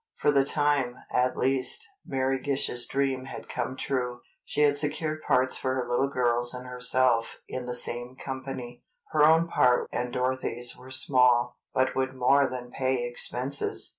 For the time, at least, Mary Gish's dream had come true: she had secured parts for her little girls and herself in the same company. Her own part and Dorothy's were small, but would more than pay expenses.